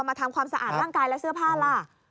ทำความสะอาดร่างกายและเสื้อผ้าล่ะ